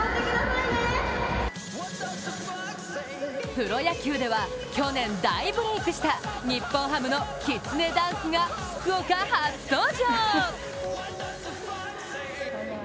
プロ野球では、去年大ブレークした日本ハムのきつねダンスが福岡初登場。